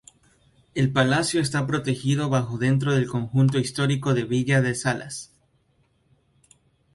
El palacio está protegido bajo dentro del Conjunto Histórico de la Villa de Salas.